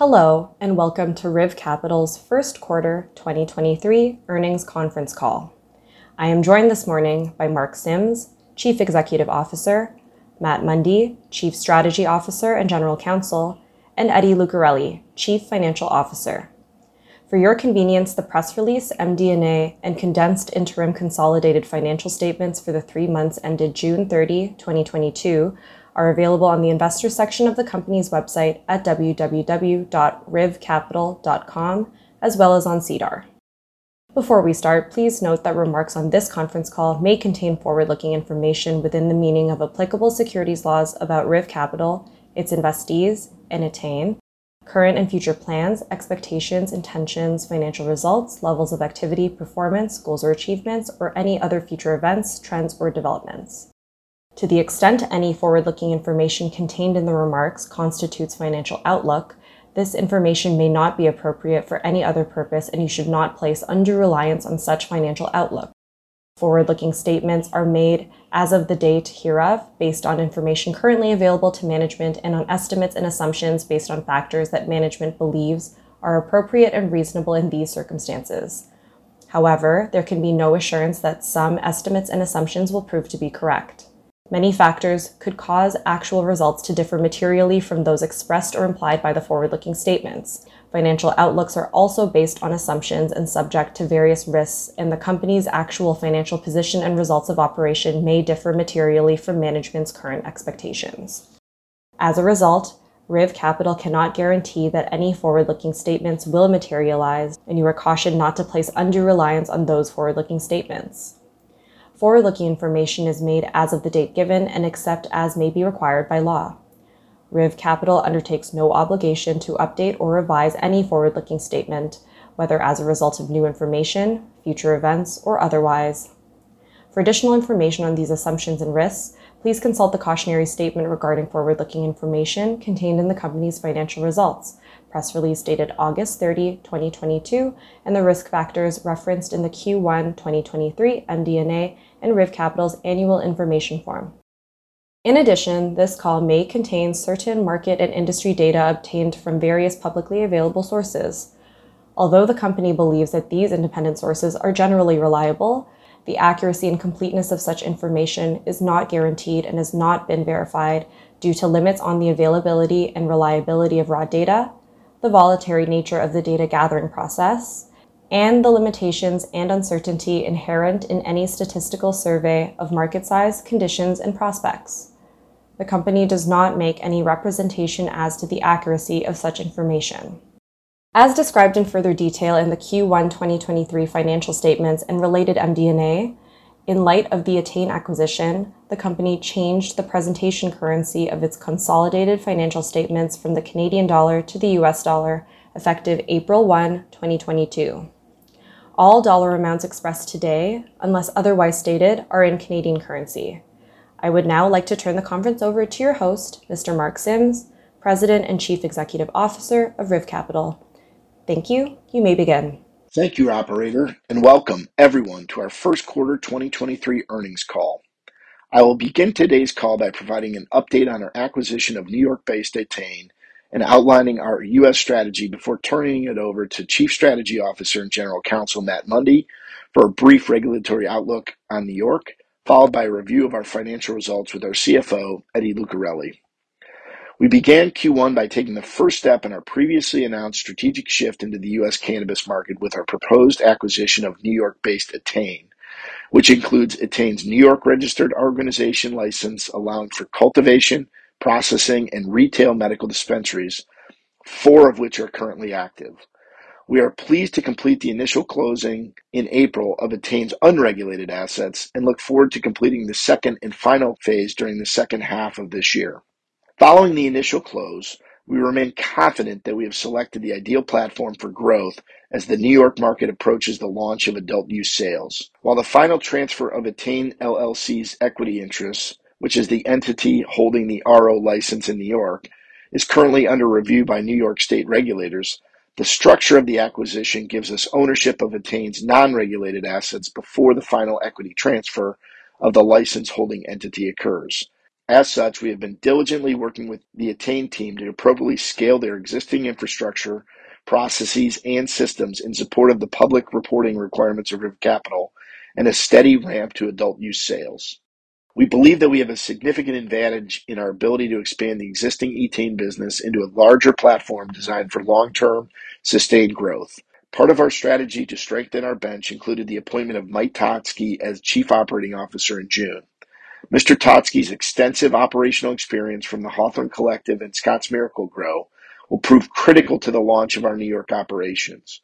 Hello and welcome to RIV Capital's First Quarter 2023 Earnings Conference Call. I am joined this morning by Mark Sims, Chief Executive Officer, Matt Mundy, Chief Strategy Officer and General Counsel, and Eddie Lucarelli, Chief Financial Officer. For your convenience, the press release, MD&A, and condensed interim consolidated financial statements for the three months ended June 30, 2022 are available on the investors section of the company's website at www.rivcapital.com as well as on SEDAR. Before we start, please note that remarks on this conference call may contain forward-looking information within the meaning of applicable securities laws about RIV Capital, its investees, and Etain, current and future plans, expectations, intentions, financial results, levels of activity, performance, goals, or achievements, or any other future events, trends, or developments. To the extent any forward-looking information contained in the remarks constitutes financial outlook, this information may not be appropriate for any other purpose, and you should not place undue reliance on such financial outlook. Forward-looking statements are made as of the date hereof based on information currently available to management and on estimates and assumptions based on factors that management believes are appropriate and reasonable in these circumstances. However, there can be no assurance that some estimates and assumptions will prove to be correct. Many factors could cause actual results to differ materially from those expressed or implied by the forward-looking statements. Financial outlooks are also based on assumptions and subject to various risks, and the company's actual financial position and results of operation may differ materially from management's current expectations. As a result, RIV Capital cannot guarantee that any forward-looking statements will materialize, and you are cautioned not to place undue reliance on those forward-looking statements. Forward-looking information is made as of the date given and except as may be required by law. RIV Capital undertakes no obligation to update or revise any forward-looking statement, whether as a result of new information, future events, or otherwise. For additional information on these assumptions and risks, please consult the cautionary statement regarding forward-looking information contained in the company's financial results, press release dated August 30, 2022, and the risk factors referenced in the Q1 2023 MD&A and RIV Capital's annual information form. In addition, this call may contain certain market and industry data obtained from various publicly available sources. Although the company believes that these independent sources are generally reliable, the accuracy and completeness of such information is not guaranteed and has not been verified due to limits on the availability and reliability of raw data, the voluntary nature of the data gathering process, and the limitations and uncertainty inherent in any statistical survey of market size, conditions, and prospects. The company does not make any representation as to the accuracy of such information. As described in further detail in the Q1 2023 financial statements and related MD&A, in light of the Etain acquisition, the company changed the presentation currency of its consolidated financial statements from the Canadian dollar to the US dollar effective April 1, 2022. All dollar amounts expressed today, unless otherwise stated, are in Canadian currency. I would now like to turn the conference over to your host, Mr. Mark Sims, President and Chief Executive Officer of RIV Capital. Thank you. You may begin. Thank you, operator, and welcome everyone to our First Quarter 2023 Earnings Call. I will begin today's call by providing an update on our acquisition of New York-based Etain and outlining our U.S. strategy before turning it over to Chief Strategy Officer and General Counsel, Matt Mundy, for a brief regulatory outlook on New York, followed by a review of our financial results with our CFO, Eddie Lucarelli. We began Q1 by taking the first step in our previously announced strategic shift into the U.S. cannabis market with our proposed acquisition of New York-based Etain, which includes Etain's New York Registered Organization license allowing for cultivation, processing, and retail medical dispensaries, four of which are currently active. We are pleased to complete the initial closing in April of Etain's unregulated assets and look forward to completing the second and final phase during the second half of this year. Following the initial close, we remain confident that we have selected the ideal platform for growth as the New York market approaches the launch of adult use sales. While the final transfer of Etain LLC's equity interests, which is the entity holding the RO license in New York, is currently under review by New York State regulators. The structure of the acquisition gives us ownership of Etain's non-regulated assets before the final equity transfer of the license holding entity occurs. As such, we have been diligently working with the Etain team to appropriately scale their existing infrastructure, processes, and systems in support of the public reporting requirements of RIV Capital and a steady ramp to adult use sales. We believe that we have a significant advantage in our ability to expand the existing Etain business into a larger platform designed for long-term, sustained growth. Part of our strategy to strengthen our bench included the appointment of Mike Totzke as Chief Operating Officer in June. Mr. Totzke's extensive operational experience from The Hawthorne Collective and Scotts Miracle-Gro will prove critical to the launch of our New York operations,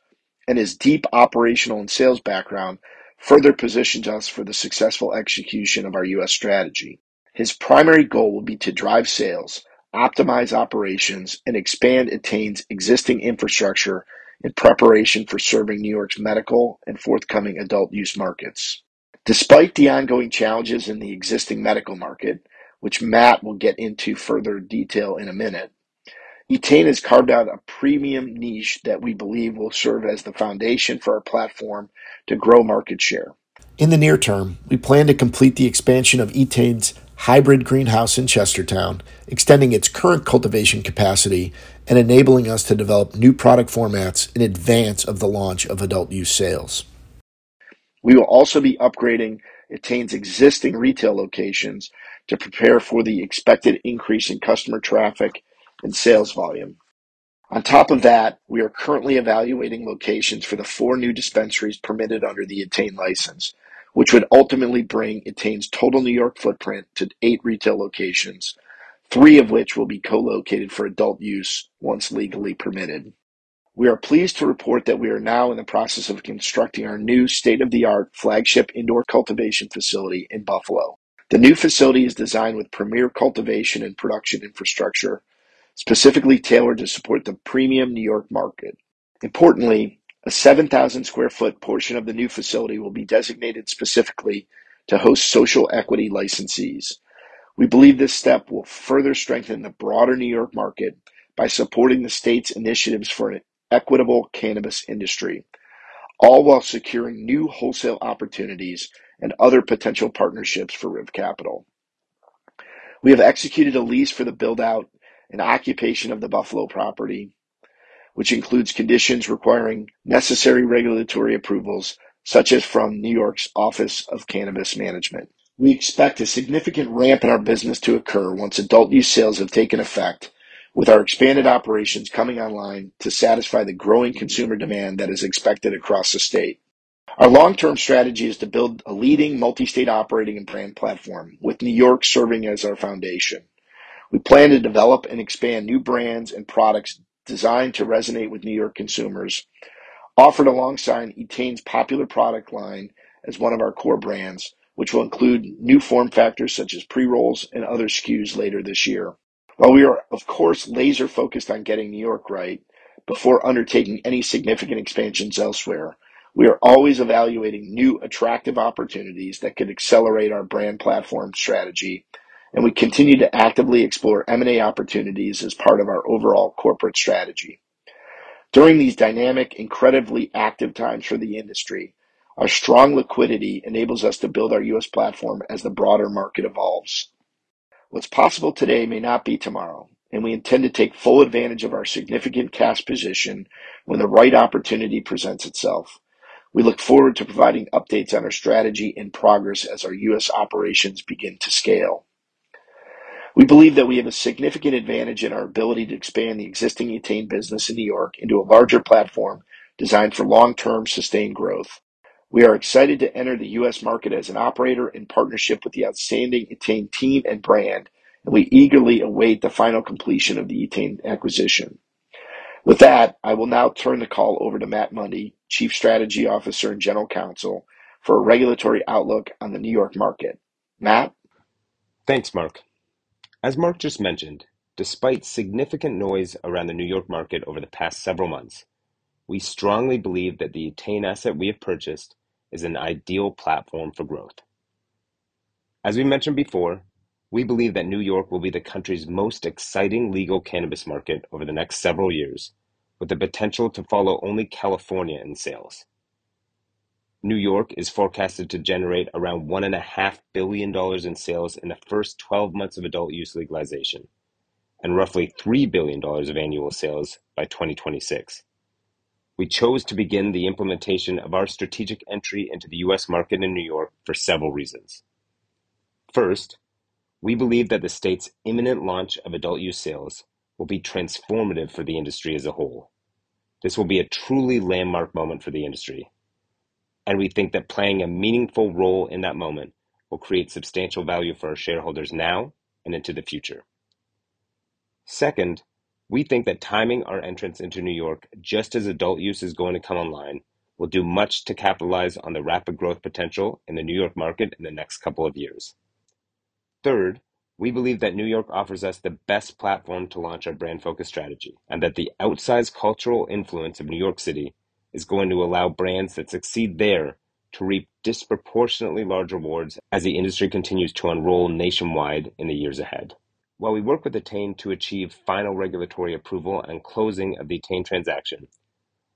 and his deep operational and sales background further positions us for the successful execution of our U.S. strategy. His primary goal will be to drive sales, optimize operations, and expand Etain's existing infrastructure in preparation for serving New York's medical and forthcoming adult-use markets. Despite the ongoing challenges in the existing medical market, which Matt will get into further detail in a minute, Etain has carved out a premium niche that we believe will serve as the foundation for our platform to grow market share. In the near term, we plan to complete the expansion of Etain's hybrid greenhouse in Chestertown, extending its current cultivation capacity and enabling us to develop new product formats in advance of the launch of adult-use sales. We will also be upgrading Etain's existing retail locations to prepare for the expected increase in customer traffic and sales volume. On top of that, we are currently evaluating locations for the four new dispensaries permitted under the Etain license, which would ultimately bring Etain's total New York footprint to eight retail locations, three of which will be co-located for adult-use once legally permitted. We are pleased to report that we are now in the process of constructing our new state-of-the-art flagship indoor cultivation facility in Buffalo. The new facility is designed with premier cultivation and production infrastructure, specifically tailored to support the premium New York market. Importantly, a 7,000 sq ft portion of the new facility will be designated specifically to host social equity licensees. We believe this step will further strengthen the broader New York market by supporting the state's initiatives for an equitable cannabis industry, all while securing new wholesale opportunities and other potential partnerships for RIV Capital. We have executed a lease for the build-out and occupation of the Buffalo property, which includes conditions requiring necessary regulatory approvals, such as from New York's Office of Cannabis Management. We expect a significant ramp in our business to occur once adult use sales have taken effect, with our expanded operations coming online to satisfy the growing consumer demand that is expected across the state. Our long-term strategy is to build a leading multi-state operating and brand platform, with New York serving as our foundation. We plan to develop and expand new brands and products designed to resonate with New York consumers, offered alongside Etain's popular product line as one of our core brands, which will include new form factors such as pre-rolls and other SKUs later this year. While we are of course laser focused on getting New York right before undertaking any significant expansions elsewhere, we are always evaluating new attractive opportunities that could accelerate our brand platform strategy, and we continue to actively explore M&A opportunities as part of our overall corporate strategy. During these dynamic, incredibly active times for the industry, our strong liquidity enables us to build our U.S. platform as the broader market evolves. What's possible today may not be tomorrow, and we intend to take full advantage of our significant cash position when the right opportunity presents itself. We look forward to providing updates on our strategy and progress as our U.S. operations begin to scale. We believe that we have a significant advantage in our ability to expand the existing Etain business in New York into a larger platform designed for long-term sustained growth. We are excited to enter the U.S. market as an operator in partnership with the outstanding Etain team and brand, and we eagerly await the final completion of the Etain acquisition. With that, I will now turn the call over to Matt Mundy, Chief Strategy Officer and General Counsel, for a regulatory outlook on the New York market. Matt? Thanks, Mark. As Mark just mentioned, despite significant noise around the New York market over the past several months, we strongly believe that the Etain asset we have purchased is an ideal platform for growth. As we mentioned before, we believe that New York will be the country's most exciting legal cannabis market over the next several years, with the potential to follow only California in sales. New York is forecasted to generate around $1.5 billion in sales in the first 12 months of adult use legalization, and roughly $3 billion of annual sales by 2026. We chose to begin the implementation of our strategic entry into the U.S. market in New York for several reasons. First, we believe that the state's imminent launch of adult use sales will be transformative for the industry as a whole. This will be a truly landmark moment for the industry, and we think that playing a meaningful role in that moment will create substantial value for our shareholders now and into the future. Second, we think that timing our entrance into New York just as adult use is going to come online will do much to capitalize on the rapid growth potential in the New York market in the next couple of years. Third, we believe that New York offers us the best platform to launch our brand-focused strategy, and that the outsized cultural influence of New York City is going to allow brands that succeed there to reap disproportionately large rewards as the industry continues to unroll nationwide in the years ahead. While we work with Etain to achieve final regulatory approval and closing of the Etain transaction,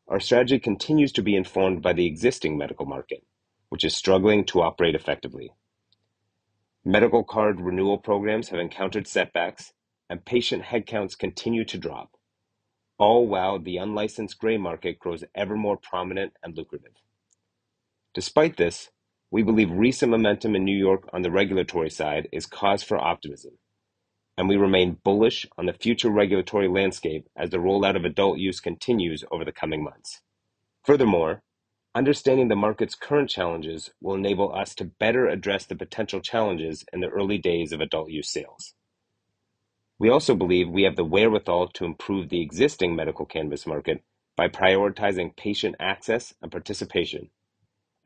our strategy continues to be informed by the existing medical market, which is struggling to operate effectively. Medical card renewal programs have encountered setbacks, and patient headcounts continue to drop, all while the unlicensed gray market grows ever more prominent and lucrative. Despite this, we believe recent momentum in New York on the regulatory side is cause for optimism, and we remain bullish on the future regulatory landscape as the rollout of adult use continues over the coming months. Furthermore, understanding the market's current challenges will enable us to better address the potential challenges in the early days of adult use sales. We also believe we have the wherewithal to improve the existing medical cannabis market by prioritizing patient access and participation,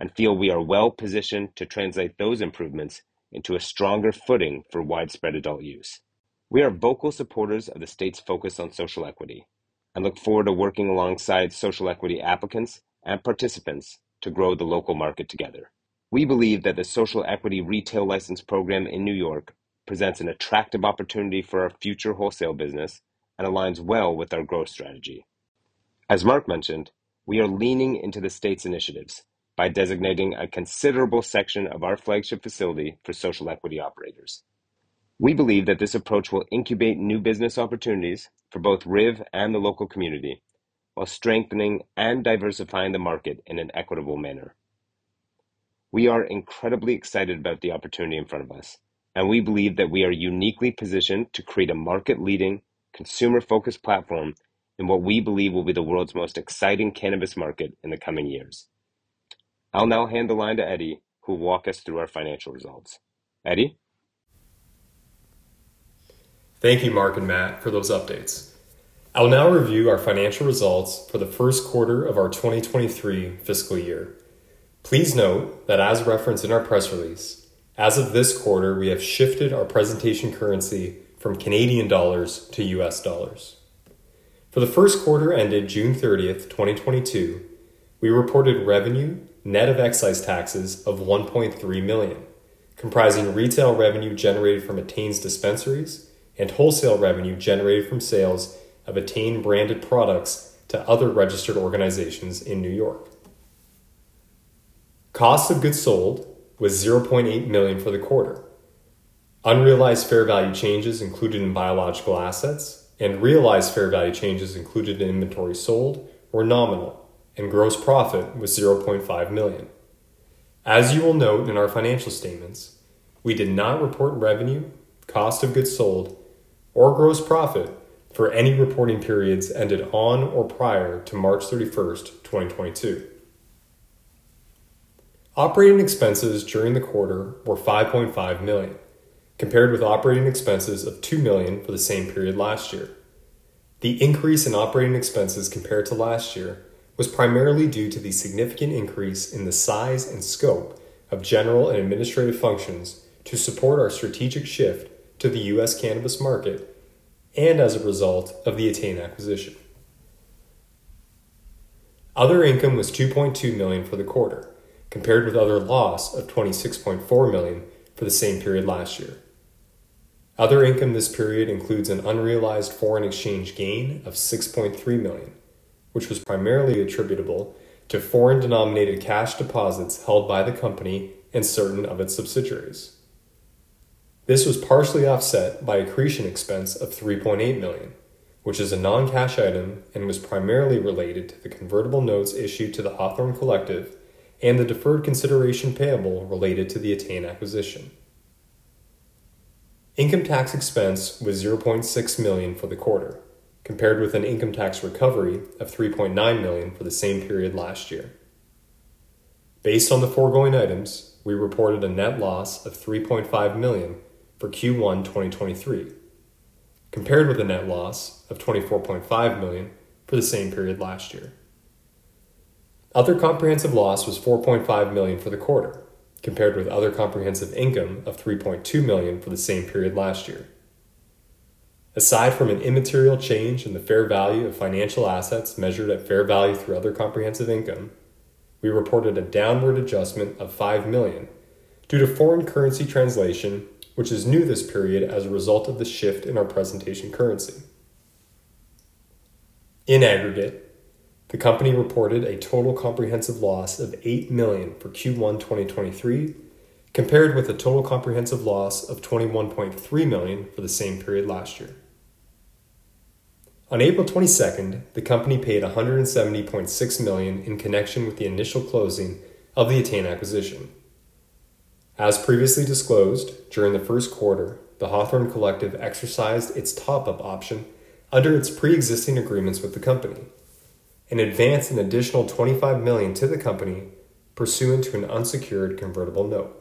and feel we are well-positioned to translate those improvements into a stronger footing for widespread adult use. We are vocal supporters of the state's focus on social equity, and look forward to working alongside social equity applicants and participants to grow the local market together. We believe that the social equity retail license program in New York presents an attractive opportunity for our future wholesale business and aligns well with our growth strategy. As Mark mentioned, we are leaning into the state's initiatives by designating a considerable section of our flagship facility for social equity operators. We believe that this approach will incubate new business opportunities for both RIV and the local community while strengthening and diversifying the market in an equitable manner. We are incredibly excited about the opportunity in front of us, and we believe that we are uniquely positioned to create a market-leading, consumer-focused platform in what we believe will be the world's most exciting cannabis market in the coming years. I'll now hand the line to Eddie, who will walk us through our financial results. Eddie? Thank you, Mark and Matt, for those updates. I'll now review our financial results for the first quarter of our 2023 fiscal year. Please note that as referenced in our press release, as of this quarter, we have shifted our presentation currency from Canadian dollars to US dollars. For the first quarter ended June 30, 2022, we reported revenue net of excise taxes of $1.3 million, comprising retail revenue generated from Etain's dispensaries and wholesale revenue generated from sales of Etain-branded products to other registered organizations in New York. Cost of goods sold was $0.8 million for the quarter. Unrealized fair value changes included in biological assets and realized fair value changes included in inventory sold were nominal, and gross profit was $0.5 million. As you will note in our financial statements, we did not report revenue, cost of goods sold, or gross profit for any reporting periods ended on or prior to March thirty-first, twenty twenty-two. Operating expenses during the quarter were 5.5 million, compared with operating expenses of 2 million for the same period last year. The increase in operating expenses compared to last year was primarily due to the significant increase in the size and scope of general and administrative functions to support our strategic shift to the US cannabis market and as a result of the Etain acquisition. Other income was 2.2 million for the quarter, compared with other loss of 26.4 million for the same period last year. Other income this period includes an unrealized foreign exchange gain of 6.3 million, which was primarily attributable to foreign-denominated cash deposits held by the company and certain of its subsidiaries. This was partially offset by accretion expense of 3.8 million, which is a non-cash item and was primarily related to the convertible notes issued to The Hawthorne Collective and the deferred consideration payable related to the Etain acquisition. Income tax expense was CAD 0.6 million for the quarter, compared with an income tax recovery of CAD 3.9 million for the same period last year. Based on the foregoing items, we reported a net loss of 3.5 million for Q1 2023, compared with a net loss of 24.5 million for the same period last year. Other comprehensive loss was 4.5 million for the quarter, compared with other comprehensive income of 3.2 million for the same period last year. Aside from an immaterial change in the fair value of financial assets measured at fair value through other comprehensive income, we reported a downward adjustment of 5 million due to foreign currency translation, which is new this period as a result of the shift in our presentation currency. In aggregate, the company reported a total comprehensive loss of 8 million for Q1 2023, compared with a total comprehensive loss of 21.3 million for the same period last year. On April 22nd, the company paid 170.6 million in connection with the initial closing of the Etain acquisition. As previously disclosed, during the first quarter, The Hawthorne Collective exercised its top-up option under its preexisting agreements with the company and advanced an additional 25 million to the company pursuant to an unsecured convertible note.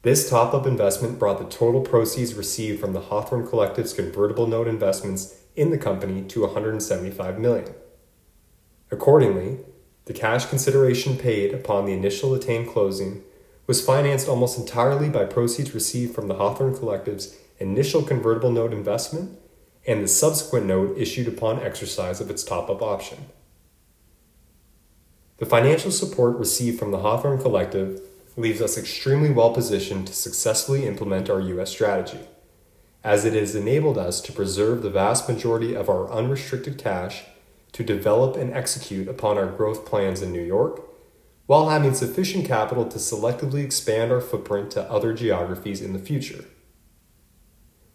This top-up investment brought the total proceeds received from The Hawthorne Collective's convertible note investments in the company to 175 million. The cash consideration paid upon the initial Etain closing was financed almost entirely by proceeds received from The Hawthorne Collective's initial convertible note investment and the subsequent note issued upon exercise of its top-up option. The financial support received from The Hawthorne Collective leaves us extremely well-positioned to successfully implement our U.S. strategy, as it has enabled us to preserve the vast majority of our unrestricted cash to develop and execute upon our growth plans in New York while having sufficient capital to selectively expand our footprint to other geographies in the future.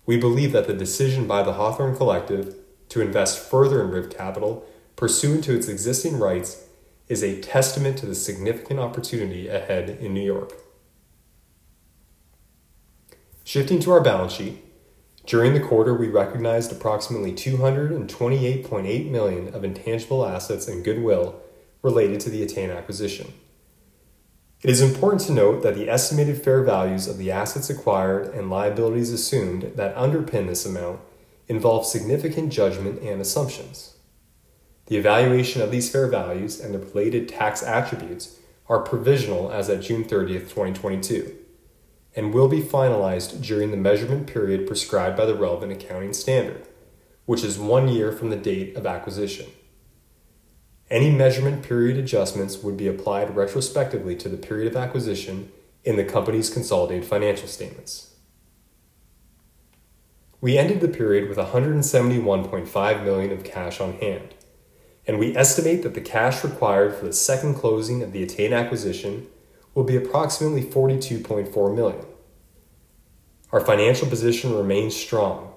We believe that the decision by The Hawthorne Collective to invest further in RIV Capital pursuant to its existing rights is a testament to the significant opportunity ahead in New York. Shifting to our balance sheet, during the quarter, we recognized approximately 228.8 million of intangible assets and goodwill related to the Etain acquisition. It is important to note that the estimated fair values of the assets acquired and liabilities assumed that underpin this amount involve significant judgment and assumptions. The evaluation of these fair values and the related tax attributes are provisional as at June thirtieth, 2022, and will be finalized during the measurement period prescribed by the relevant accounting standard, which is one year from the date of acquisition. Any measurement period adjustments would be applied retrospectively to the period of acquisition in the company's consolidated financial statements. We ended the period with 171.5 million of cash on hand, and we estimate that the cash required for the second closing of the Etain acquisition will be approximately 42.4 million. Our financial position remains strong,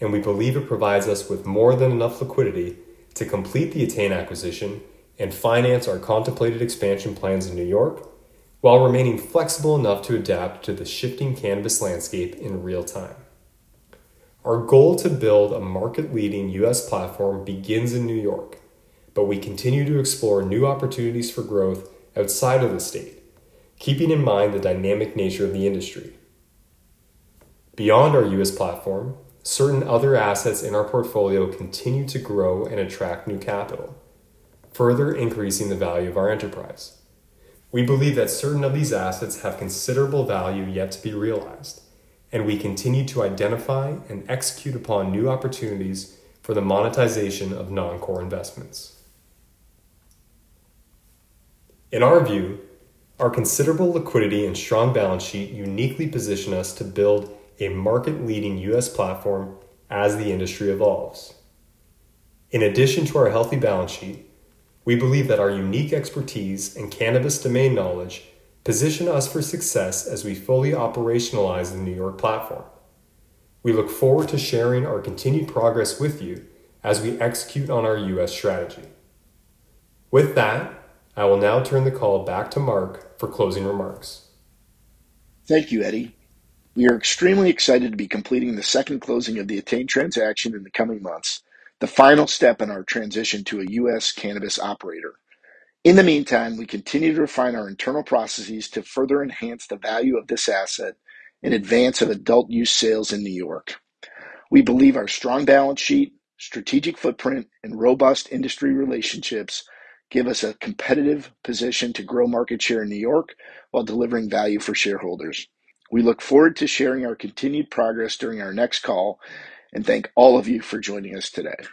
and we believe it provides us with more than enough liquidity to complete the Etain acquisition and finance our contemplated expansion plans in New York while remaining flexible enough to adapt to the shifting cannabis landscape in real time. Our goal to build a market-leading U.S. platform begins in New York, but we continue to explore new opportunities for growth outside of the state, keeping in mind the dynamic nature of the industry. Beyond our U.S. platform, certain other assets in our portfolio continue to grow and attract new capital, further increasing the value of our enterprise. We believe that certain of these assets have considerable value yet to be realized, and we continue to identify and execute upon new opportunities for the monetization of non-core investments. In our view, our considerable liquidity and strong balance sheet uniquely position us to build a market-leading U.S. platform as the industry evolves. In addition to our healthy balance sheet, we believe that our unique expertise and cannabis domain knowledge position us for success as we fully operationalize the New York platform. We look forward to sharing our continued progress with you as we execute on our U.S. strategy. With that, I will now turn the call back to Mark for closing remarks. Thank you, Eddie. We are extremely excited to be completing the second closing of the Etain transaction in the coming months, the final step in our transition to a U.S. cannabis operator. In the meantime, we continue to refine our internal processes to further enhance the value of this asset in advance of adult-use sales in New York. We believe our strong balance sheet, strategic footprint, and robust industry relationships give us a competitive position to grow market share in New York while delivering value for shareholders. We look forward to sharing our continued progress during our next call and thank all of you for joining us today.